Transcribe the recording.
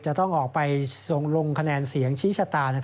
จะต้องออกไปลงคะแนนเสียงชี้ชะตา